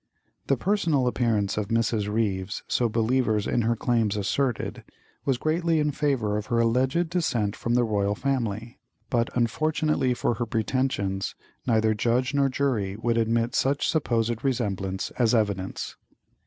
The personal appearance of Mrs. Ryves, so believers in her claims asserted, was greatly in favour of her alleged descent from the royal family; but, unfortunately for her pretensions, neither judge nor jury would admit such supposed resemblance as evidence.